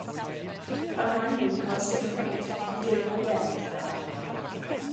Pan maen nhw'n cael seibiant nid yw eu hadenydd ar agor.